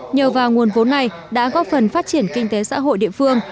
nhờ vào nguồn vốn này đã góp phần phát triển kinh tế xã hội địa phương